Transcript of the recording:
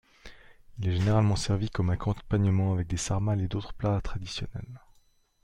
Il est généralement servi comme accompagnement avec des sarmale ou d'autres plats traditionnels.